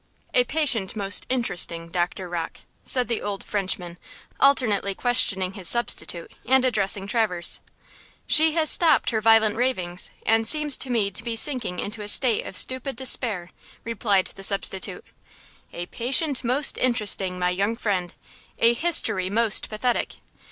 "A patient most interesting, Doctor Rocke," said the old Frenchman, alternately questioning his substitute and addressing Traverse. "She has stopped her violent ravings, and seems to me to be sinking into a state of stupid despair," replied the substitute. "A patient most interesting, my young friend! A history most pathetic!